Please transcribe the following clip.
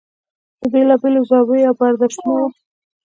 د بېلا بېلو زاویو او برداشتونو و.